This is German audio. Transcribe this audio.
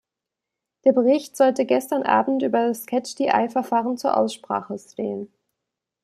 Der Bericht sollte gestern Abend über das Catch-the-eye-Verfahren zur Aussprache stehen.